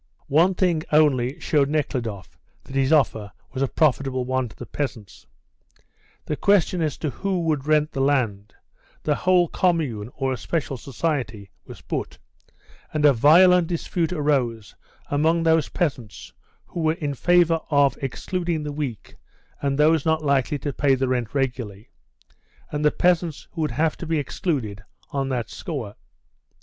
One thing only showed Nekhludoff that his offer was a profitable one to the peasants. The question as to who would rent the land, the whole commune or a special society, was put, and a violent dispute arose among those peasants who were in favour of excluding the weak and those not likely to pay the rent regularly, and the peasants who would have to be excluded on that score.